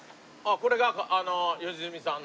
これが良純さんの。